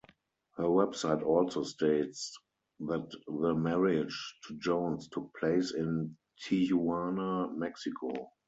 Her website also states that the marriage to Jones took place in Tijuana, Mexico.